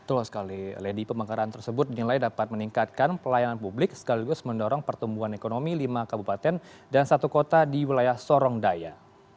betul sekali lady pemekaran tersebut dinilai dapat meningkatkan pelayanan publik sekaligus mendorong pertumbuhan ekonomi lima kabupaten dan satu kota di wilayah sorong daya